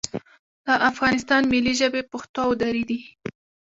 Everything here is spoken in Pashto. د افغانستان ملي ژبې پښتو او دري دي